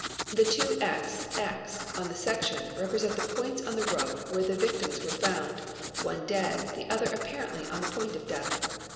The two X, X, on th 2 section represent the points on the roof where the victims were found, one dead, the other apparently on the point of death.